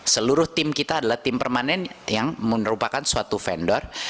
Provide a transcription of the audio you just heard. seluruh tim kita adalah tim permanen yang merupakan suatu vendor